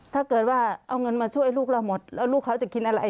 ถ้าเกิดว่าเอาเงินมาช่วยลูกเราหมดแล้วลูกเขาจะกินอะไร